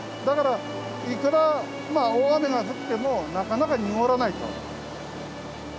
だからいくらまあ大雨が降ってもなかなか濁らない川。